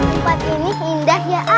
tempat ini indah yaa